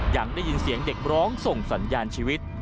ยังได้ยินเสียงเด็กร้องส่งสัญญาณชีวิต